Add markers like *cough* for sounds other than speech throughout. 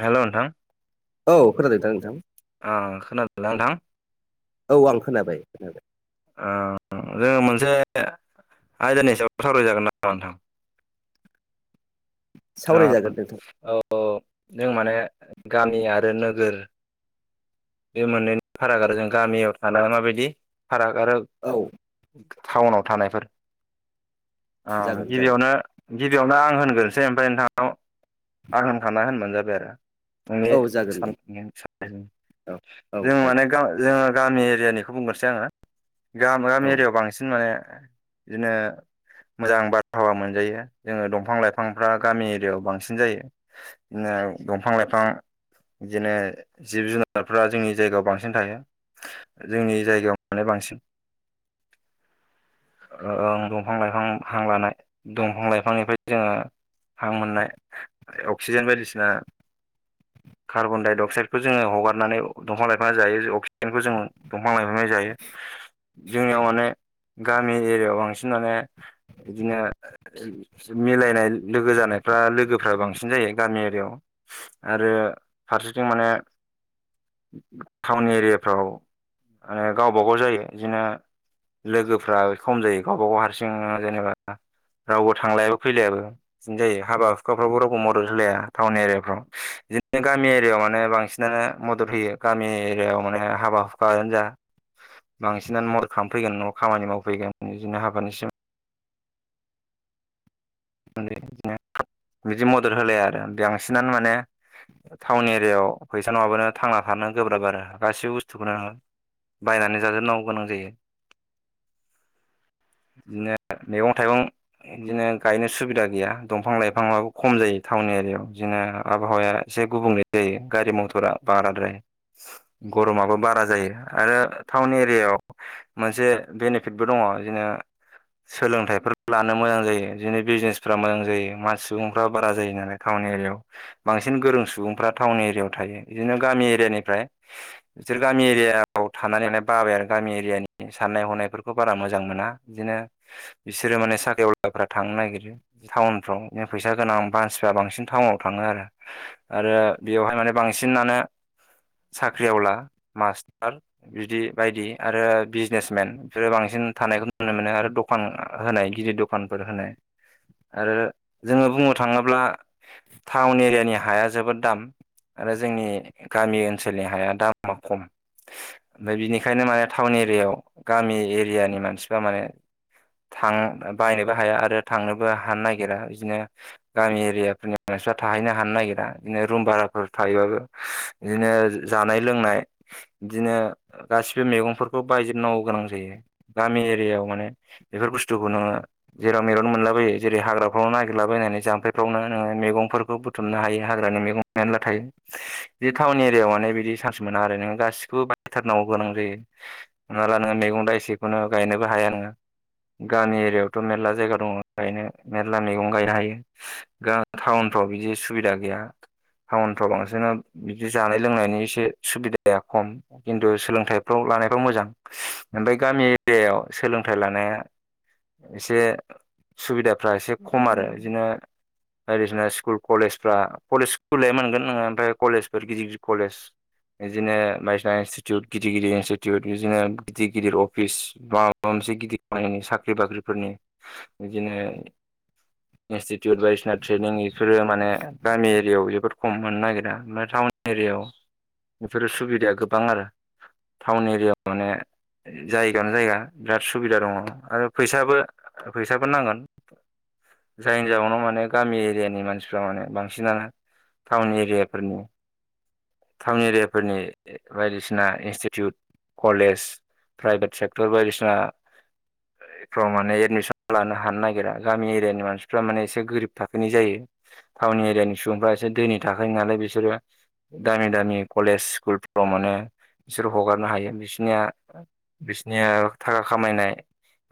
हेल' नोंथां औ खोनादों दा नोंथां ओ खोनादोंना नोंथां? ओ औ आं खोनाबाय खोनाबाय *unintelligible* से आयदानि सायाव सावरायजागोन नामा नोंथां? सावरायजागोन नोंथां औ जों माने गामि आरो नोगोर बे मोननैनि फाराग आरो जों गामियाव थानानै माबायदि फाराग आरो औ टाउनाव थानायफोर ओ जागोन जागोन गिबियावनो गिबियावनो आं होनग्रोनोसै ओमफ्राय नोंथांनाव आं होनखांना होनबानो जाबाय आरो औ जागोन दे *unintelligible* औ औ जों माने जागोन जों गामि एरियानिखौ बुंग्रोसै आङो गामि औ एरियाायाव बांसिन माने बिदिनो मोजां बारहावा मोनजायो जोङो दंफां लाइफांफ्रा गामि एरियायाव बांसिन जायो बिदिनो दंफां लाइफां बिदिनो जिब जुनार जुनारफ्रा जोंनि जायगायाव बांसिन थायो जोंनि जायगायाव माने बांसिन *unintelligible* ओं दंफां लाइफां हां लानाय दंफां लाइफांनिफ्राय जोङो हां मोननाय अक्सिजेन बायदिसिना कार्बनडाइ अक्साइडखौ जोङो हगारनानै दंफां लाइफांआ जायो अक्सिजेनखौ जों दं फां लाइफांआ जायो जोंनियाव माने गामि एरियायाव बांसिन माने बिदिनो मि-मिलायनाय लोगो जानायफ्रा लोगोफ्रा बांसिन जायो गामि एरियायाव। आरो फारसेथिं माने टाउन एरियाफ्राव आरो गावबा गाव जायो बिदिनो लोगो फ्रा खम जायो गावबा गाव हारसिं जेनेबा रावबो थांलायाबो फैलायाबो बिदिनो जायो हाबा हुखाफ्रावबो रावबो मदद होलाया टाउन एरियाफ्राव बिदिनो गामि एरियायाव माने बांसिनानो मदद होयो गामि एरियायाव माने हाबा हुखायानो जा बांसिनानो मदद खालामफैगोन नङा खामानि मावफैगोन बिदिनो हाबानि सिगां *unintelligible* बिदि मदद होलाया आरो बांसिनानो माने टाउन एरियायाव फैसा नङाबानो थांना थानो गोब्राब आरो गासिबो बुस्थुखौनो बायनानै जाजोबनांगौ गोनां जायो। बिदिनो मैगं थाइगं बिदिनो गायनो सुबिदा गैया दंफां लाइफाङाबो खम जायो टाउन एरियायाव बिदिनो आबहावाया एसे गुबुंले जायो। गारि मथरा बाराद्राय गरमाबो बारा जायो आरो टाउन एरियायाव मोनसे बेनिफिटबो दङ बिदिनो सोलोंथाइफोर लानो मोजां जायो बिदिनो बिजनेसफ्रा मोजां जायो मान सुबुंफ्रा बारा जायो नालाय टाउन एरियायाव बांसिन गोरों सुबुंफ्रा टाउन एरियायाव थायो बिदिनो गामि एरियानिफ्राय बिसोर गामि एरियायाव थानानैलाय बाबाय आरो गा मि एरियानि साननाय हनायफोरखौ बारा मोजां मोना बिदिनो बिसोरो माने साख्रिआवलाफ्रा थांनो नागिरो टाउनफ्राव बिदि फैसा गोनां मानसिफ्रा बांसिन टाउनाव थाङो आरो आरो बेवहाय माने बांसिनानो साख्रिआवला मास्टार बिदि बायदि आरो बिजनेसमेन बिफोरो बांसिन थानायखौ नुनो मोनो आरो दखान होनाय गिदिर दखानफोर होनाय आरो जोङो बुंनो थाङोब्ला टाउन एरियानि हाया जोबोद दाम आरो जोंनि गामि ओनसोलनि हाया दामा खम। ओमफाय बिनिखायनो माने टाउन एरियायाव गामि एरियानि मानसिफ्रा माने थां बायनो बो हाया आरो थांनोबो हानो नागिरा बिदिनो गामि एरियाफोरनि मानसिफ्रा थाहैनो हानो नागिरा बिदिनो रुम भाराफोर थाहैबाबो बिदिनो जानाय लोंनाय बिदिनो गासै सिबो मैगंफोरखौ बायजोबनांगौ गोनां जायो गामि एरियायाव माने बेफोर बुस्थुखौ नोङो जेराव मेरननो मोनलाबायो जेरै हाग्राफ्रावनो नागिरलाबायनानै जाम्फैफ्रावनो नोङो मैगंफोरखौ बुथुमनो हायो हाग्रान मैगं मेनला थायो बि टाउन एरियायाव माने बिदि सान्स मोना आरो नों गासिखौबो बायथारनांगौ गोनां जायो हमनाला नोङो मैगं दाय एसेखौनो गायनोबो हाया नोङो गामि एरियायाव थ' मेरला जायगा दङ गायनो मेरला मैगं गायनो हायो गा टाउनफ्राव बिदि सुबिदा गैया दा टाउनफ्राव बांसिनो बिदि जानाय लोंनायनि एसे सुबिदाया खम खिन्थु सोलोंथाइफ्राव बानायफ्राव मोजां ओमफाय गामि एरियायाव सोलोंथाइ लानाया एसे सुबिदाफ्रा एसे खम आरो इदिनो बायदिसिना स्कुल कलेजफ्रा कलेज स्कुले मोनगोन नोङो ओमफ्राय कलेजफोर गिदिर गिदिर कलेज इदिनो बायदिसिना इनस्थिथिउथ गिदिर गिदिर इनस्टिटिउट इदिनो गिदिर गिदिर अफिस बा मोनसे गिदिर *unintelligible* साख्रि बाख्रि फोरनि बिदिनो इनस्टिटिउट बायदिसिना ट्रेनिं सोर माने गामि एरियायाव फोर खम मोननो नागिरा ओमफ्राय टाउन एरिययाव बेफोरो सुबिदाया गोबां आरो टाउन एरिया माने जायगानो जायगा बिराद सुबिदा दङ आरो फै साबो फैसाबो नांगोन जायनि जाउनाव माने गामि एरियानि मानसिफ्रा माने बांसिनानो टाउन एरियाफोरनि टाउन एरियाफोरनि बायदिसिना इनस्टिटिउट कलेज प्राइभेट सेक्टर बायदिसिना फ्राव माने एदमिसन लानो हानो नागिरा गामि एरियानि मानसिफ माने एसे गोरिब थाखोनि जायो टाउनि एरियानि सुबुंफ्रा एसे धोनि थाखानि नालाय बिसोरो दामि दामि कलेज स्कुलफ्राव माने बिसोर हगारनो हायो बिसनिया बिसनिया थाखा खामायनाय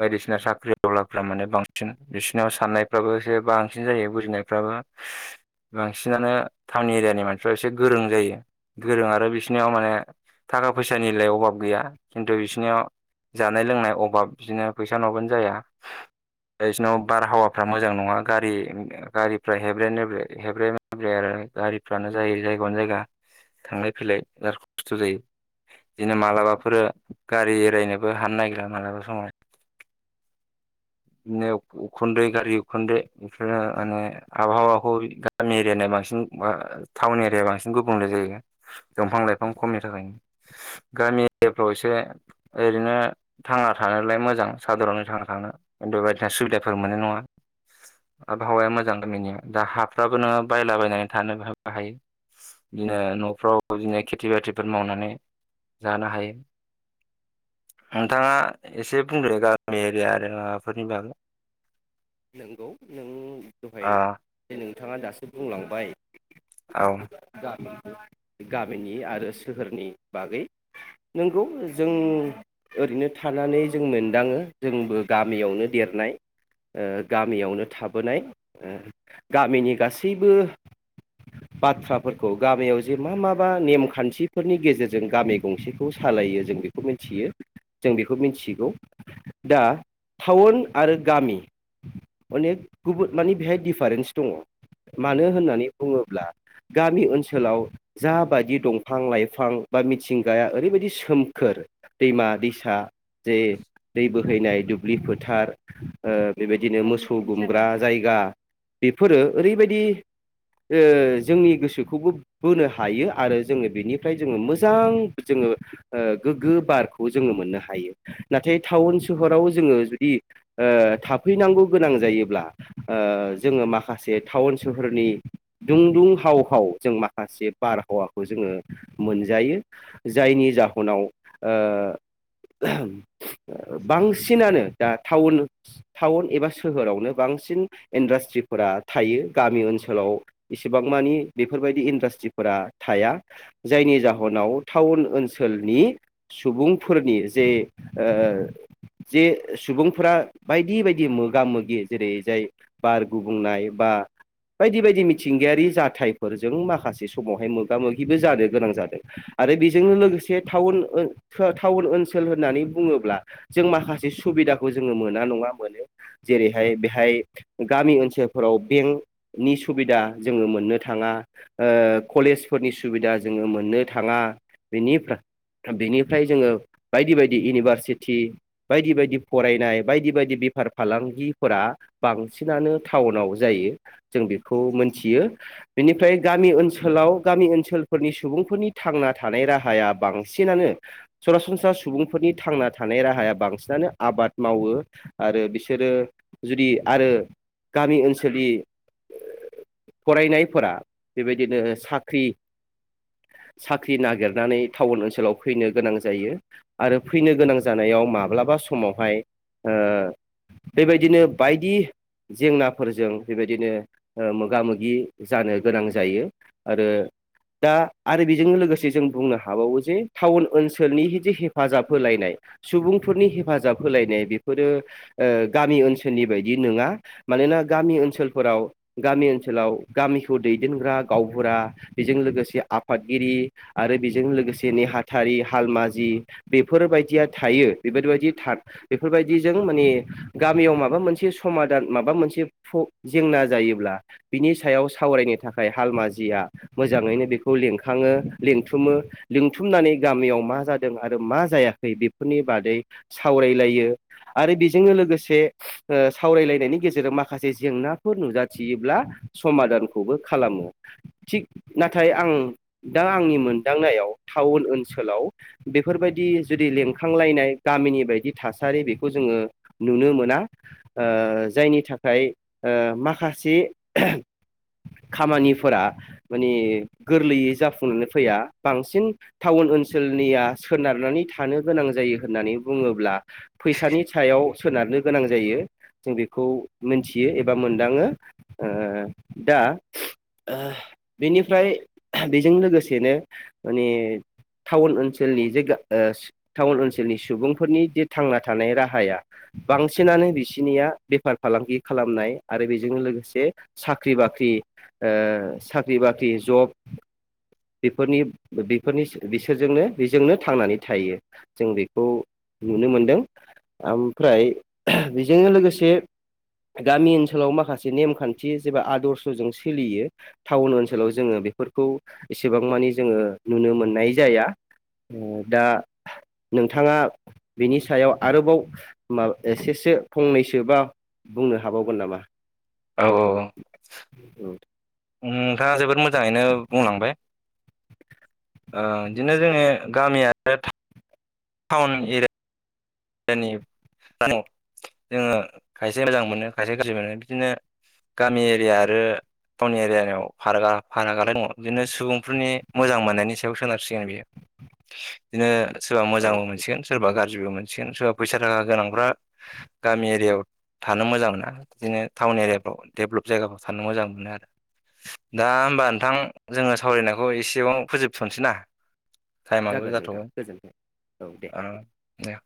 बायदिसिना साख्रि आवलाफ्रा माने बांसिन बिसिनाव साननायफ्राबो एसे बांसिन जायो बुजिनायफ्राबो बांसिनानो टाउन एरियानि मानसिफ्रा एसे गोरों जायो गोरों आरो बिसिनियाव माने थाखा फैसानिलाय अभाब गैया खिन्थु बिसोरनियाव जानाय लोंनाय अभाब बिदिनो फैसा नङाबानो जाया दा‌ बिसिनाव बारहावाफ्रा मोजां नङा गारि गारिफ्रा हेब्रेरे नेब्रे हेब्रे नेब्रे आरो गारिफ्रानो जायो जायगानो जायगा थांलाय फैलाय बिराद खस्थ' जायो बिदिनो मालाबाफोरो गारि एरायनोबो हानो नागिरा मालाबा समाव बिदिनो उखुन्दै गारि उखुन्दै बेफोरनो माने आबहावाखौ गामि एरिनि मान बांसिन बा‌ टाउन एरिया बांसिन गुबुंले जायो दंफां लाइफां खमनि थाखायनो गामिफ्राव एसे ओरैनो थांना थानोलाय मोजां सादरनै थांना थानो । बेबायथा सुबिदाफोर मोननाय नङा आबहावाया मोजां गामिनिया दा हाफ्राबो नोङो बायलाबायनानै थानोबो हायो बिदिनो न'फ्राव बिदिनो खेथि बाथिफोर मावनानै जानो हायो नोंथाङा एसे बुंदो गामि एरिया आरो माबाफोरनि बागै नंगौ नों दहाय आ नोंथाङा दासो बुंलांबाय औ गामिनि आरो सोहोरनि बागै नंगौ जों ओरैनो थानानै जों मोनदाङो जोंबो गामियावनो देर *unintelligible* ओ गामियावनो थाबोनाय ओ गामिनि गासैबो बाथ्राफोरखौ गामियाव जे मा माबा नेमखान्थिफोरनि गेजेरजों गामि गंसेखौ सा लायो जों बेखौ मिथियो जों बेखौ मिथिगौ दा टाउन आरो गामि अनेक गुबुन माने बेहाय डिफरेन्स दङ मानो होननानै बुङोब्ला गामि ओनसोलाव जाबायदि दंफां लाइफां बा मिथिंगाया ओरैबायदि सोमखोर दैमा दैसा जे दै बोहैनाय दुब्लि फोथार ओ बेबायदिनो मोसौ गुमग्रा जायगा बेफोरो ओरैबायदि ओ जोंनि गोसोखौबो बोनो हायो आरो जोङो बेनिफ्राय जोङो मोजां बिजों ओ गोग्गो बारखौ जोङो मोननो हायो नाथाय टाउन सोहराव जोङो जुदि ओ थाब फैनांगौ गोनां जायोब्ला ओ जोङो माखासे टाउन सोहोरनि दुं दुं हाव हाव जों माखासे बारहावाखौ जोङो मोनजायो जायनि जाहोनाव ओ बांसिनानो दा टाउन टाउन एबा सोहोरावनो बांसिन इन्डास्ट्रिफोरा थायो गामि ओनसोलाव एसेबां मा मानि बेफोरबायदि इडास्ट्रिफोरा थाया जायनि जाहोनाव टाउन ओनसोलनि सुबुंफोरनि जे ओ जे सुबुंफोरा बाय बायदि बायदि मोगा मोगि जेरै जाय बार गुबुंनाय बा बायदि बायदि मिथिंगायारि जाथायफोरजों माखासे समावहाय मोगा मोगिबो जानो गोनां जादों आरो बेजोंनो लोगोसे टाउन ओन टाउन ओनसोल होननानै बुङोब्ला जों माखासे सुबि सुबिदाखौ जोङो मोना नङा मोनो *inaudible* जेरैहाय बेहाय गामि ओनसोलफोराव बेंकनि सुबिदा जोङो मोननो थाङा ओ कलेजफोरनि सुबिदा जोङो मोननो थाङा बेनिफ्राय बेनिफ्राय जोङो बायदि बायदि इउनिभारसिटि बायदि बायदि फरायनाय बायदि बायदि बेफार फालांगिफोरा बांसिनानो टाउनाव जायो जों बेखौ मोनथियो बेनिफ्राय गामि ओनसोलाव गामि ओनसोलफोरनि सुबुंफोरनि थांना थानाय राहाया बांसिना नो सरासनस्रा सुबुंफोरनि थांना थानाय राहाया बांसिनानो आबाद मावो आरो बिसोरो जुदि आरो गामि ओनसोलनि ओ फरायनायफोरा बेबायदिनो साख्रि *inaudible* साख्रि नागिरनानै टाउन ओनसोलाव फैनो गोनां जायो आरो फैनो गोनां जानायाव माब्लाबा समावहाय ओ बेबायदिनो बायदि जेंनाफोरजों बेबायदिनो ओ मोगा मोगि जानो गोनां जायो आरो दा आरो बेजों लोगोसे जों बुंनो हाबावो जे टाउन ओनसोलनि हिदि हे हेफाजाब होलायनाय सुबुंफोरनि हेफाजाब होलायनाय बेफोरो ओ गामि ओनसोलनि बायदि नोङा मानोना गामि ओनसोलफोराव गामि ओनसोलाव गामि मिखौ दैेदेनग्रा गावबुरा बेजों लोगोसे आफादगिरि आरो बेजों लोगोसे नेहाथा थारि हालमाजि बेफोरबायदिया थायो बेफोरबायदि था बेफोरबायदिजों माने गामियाव माबा मोनसे समादान माबा मोनसे प्र' जेंना जायोब्ला बिनि सायाव साव रायनो थाखाय हालमाजिया मोजाङैनो बेखौ लिंखाङो लिंथुमो लिंथुमनानै गा गामियाव मा जादों आरो मा जायाखै बेफोरनि बादै सावरायलायो आरो जोङो लोगोसे ओ सावरायलायनायनि गेजेरजों माखासे जेंनाफोर नुजाथियोब्ला समाजाव समादानखौबो खालामो थिग नाथाय आं दा आंनि मोनदांनायाव टाउन ओनसोलाव बेफोरबायदि जुदि लिंखांलायनाय गामिनि बायदि थासारि बेखौ जोङो नुनो मोना ओ जायनि थाखाय ओ माखासे खामानिफोरा माने गोरलैयै जाफुंनानै फैया बांसिन टाउन ओनसोलनिया सोनारनानै थानो गोनां जायो होननानै बुङोब्ला फैसानि सायाव सोनारनो गोनां जायो जों बेखौ मोनथियो एबा मोनदाङो ओ दा आ बेनिफ्राय आहो बेजों लोगोसेनो माने टाउन ओनसोलनि जाइगा ओ स टाउन ओनसोलनि सुबुंफोरनि जे थांना थानाय राहाया बांसिनानो बिसिनिया बेफार फालांगि खालामनाय आरो बेजों लोगोसे साख्रि बाख बाख्रि ओ साख्रि बाख्रि जब बेफोरनि बेफोरनि बिसोरजोंनो बेजोंनो थांनानै थायो जों बेखौ नुनो मोनदों ओमफ्राय बेजों लोगोसे गामि ओनसोलाव माखासे नेमखान्थि जेबा आदर्शजों सोलियो टाउन ओनसोलाव जोङो बेफोरखौ एसेबां मानि जोङो नुनो मोननाय जाया दा नोंथाङा बिनि सायाव आरोबाव माबा एसेसो फंनैसोबा बुंनो हाबावगोन नामा औ औ उम नोंथाङा जोबोद मोजाङैनो बुंलांबाय। ओ बिदिनो जोङो गामि आरो था टाउन एरिया यानि *unintelligible* जोङो खायसे मोजां मोनो खायसे गाज्रि मोनो बिदिनो गामि एरिया आरो टाउनि एरियानियाव फारागा फारागाल दङ बिदिनो सुबुंफोरनि मोजां मोननायनि सायाव सोनारसिगोन बियो बिदिनो सोरबा औ मोजांबो मोनसिगोन सोरबा गाज्रिबो मोनसिगोन सिख सोरा फैसा थाखा गोनांफ्रा गामि एरियाव थानो मोजां मोना बिदिनो टाउन एरियाफ्राव डेभलप जायगाफ्राव थानो मोजां मोनो आरो दा होमबा नोंथां जोङो सावरायनायखौ एसेबां फोजोबथ'नोसै ना टाइमाबो जागोन नोंथां जाथ'गोन गोजोनथों औ दे